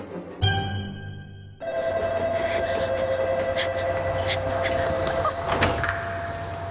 あっ！